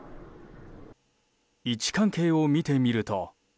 位置関係を見てみると。